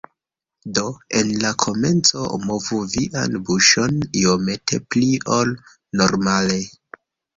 Do, en la komenco movu vian buŝon iomete pli ol normale.